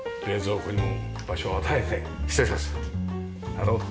なるほど。